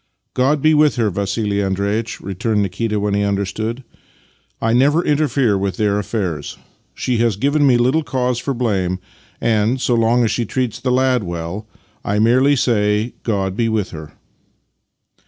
" God be with her, Vassili Andreitch! " returned Nikita when he understood. " I never interfere with their affairs. She has given me little cause for blame, and, so long as she treats the lad well, I merely say, ' God be with her!